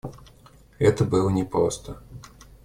Это было непросто.